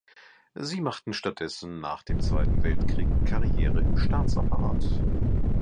Sie machten stattdessen nach dem Zweiten Weltkrieg Karriere im Staatsapparat.